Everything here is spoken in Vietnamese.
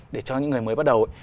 để cho những người mới bắt đầu